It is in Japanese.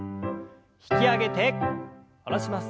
引き上げて下ろします。